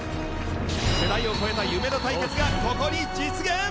世代を超えた夢の対決がここに実現。